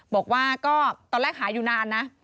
บอกว่าก็ตอนแรกหาอยู่นานนะ